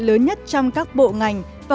lớn nhất trong các bộ ngành và